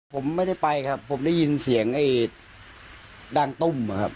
ผมไม่ได้ไปครับผมได้ยินเสียงไอ้ด้างตุ้มอะครับ